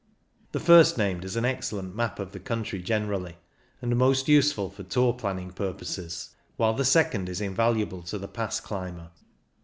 The first named is an excellent map of the country generally, and most useful for tour planning purposes, while the second is invaluable to the pass climber.